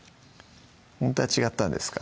ほんとは違ったんですか？